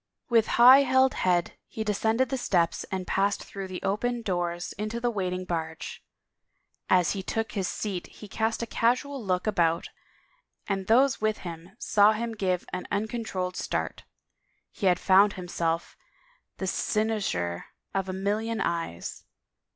With high held head he descended the steps and passed through the opened doors into the waiting barge. As he took his seat he cast a casual look about and those with him saw him give an uncontrolled start. He had found himself the cynosure of a million eyes.